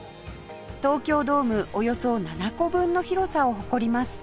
東京ドームおよそ７個分の広さを誇ります